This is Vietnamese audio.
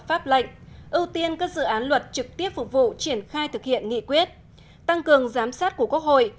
pháp lệnh ưu tiên các dự án luật trực tiếp phục vụ triển khai thực hiện nghị quyết tăng cường giám sát của quốc hội